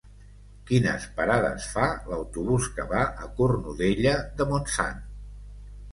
Quines parades fa l'autobús que va a Cornudella de Montsant?